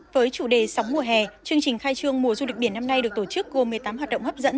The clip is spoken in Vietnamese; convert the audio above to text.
với chủ đề sóng mùa hè chương trình khai trương mùa du lịch biển năm nay được tổ chức gồm một mươi tám hoạt động hấp dẫn